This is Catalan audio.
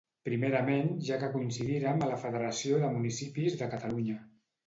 Primerament ja que coincidírem a la Federació de Municipis de Catalunya.